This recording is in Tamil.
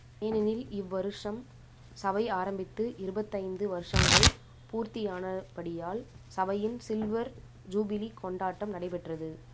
ஏனெனில், இவ்வருஷம் சபை ஆரம்பித்து இருபத்தைந்து வருஷங்கள் பூர்த்தியானபடியால், சபையின் சில்வர் ஜூபிலி கொண்டாட்டம் நடைபெற்றது.